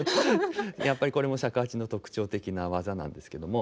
やっぱりこれも尺八の特徴的な技なんですけども。